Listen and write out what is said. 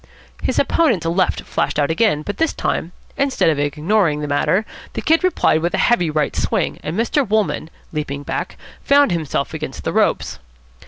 His opponent's left flashed out again, but this time, instead of ignoring the matter, the Kid replied with a heavy right swing; and Mr. Wolmann, leaping back, found himself against the ropes.